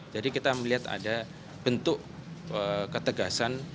jadi kita melihat ada bentuk ketegasan